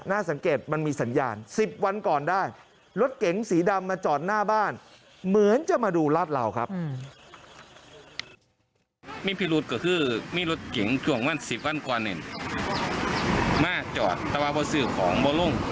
สังเกตมันมีสัญญาณ๑๐วันก่อนได้รถเก๋งสีดำมาจอดหน้าบ้านเหมือนจะมาดูลาดเหลาครับ